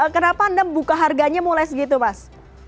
kenapa anda buka harganya mulai segitu mas